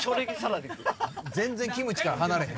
全然キムチから離れへん。